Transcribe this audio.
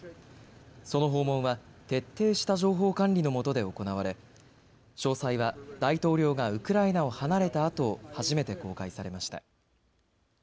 その訪問は徹底した情報管理のもとで行われ詳細は大統領がウクライナを離れたあと初めて公開されました。